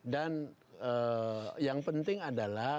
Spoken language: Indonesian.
dan yang penting adalah